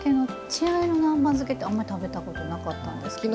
「稚鮎の南蛮漬け」ってあんまり食べたことなかったんですけど。